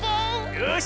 よし！